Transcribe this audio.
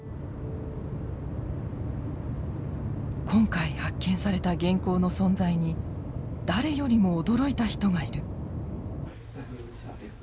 今回発見された原稿の存在に誰よりも驚いた人がいる。